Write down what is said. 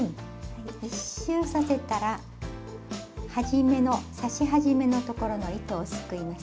１周させたら刺し始めの所の糸をすくいます。